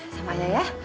sama ayah ya